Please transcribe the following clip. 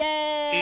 え